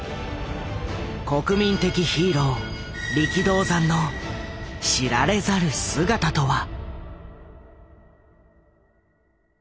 国民的ヒーロー力道山の知られざる姿とは。